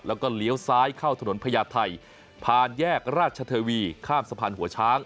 แล้วก็เลี้ยวซ้ายเข้าถนนพญาไทยผ่านแยกราชเทวีข้ามสะพานหัวช้าง